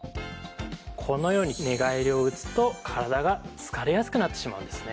このように寝返りを打つと体が疲れやすくなってしまうんですね。